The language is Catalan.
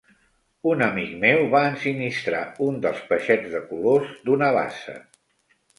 Un amic meu va ensinistrar un dels peixets de colors d'una bassa.